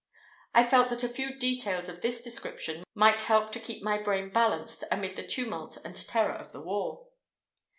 I felt that a few details of this description might help to keep my brain balanced amid the tumult and terror of the War.